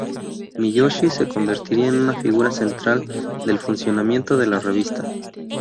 Miyoshi se convertiría en una figura central del funcionamiento de la revista.